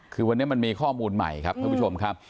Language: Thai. คือวันนี้มันมีข้อมูลใหม่ครับท่านผู้ชมครับ